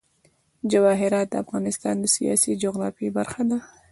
جواهرات د افغانستان د سیاسي جغرافیه برخه ده.